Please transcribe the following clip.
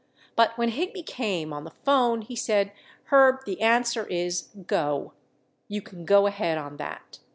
But when Higby came on the phone, he said Herb, the answer is go. You can go ahead on that.